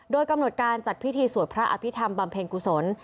โดยกำหนดการจัดพิธีสวดพระอภิษฐรรมบำเพ็ญกุศล